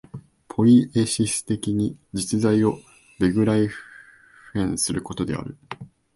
ポイエシス的に実在をベグライフェンすることである。